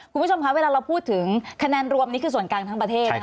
คุณผู้ชมคะเวลาเราพูดถึงคะแนนรวมนี้คือส่วนกลางทั้งประเทศ